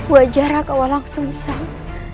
wajah raden walang sung sang